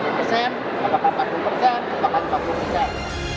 apakah tiga puluh persen apakah empat puluh persen apakah empat puluh persen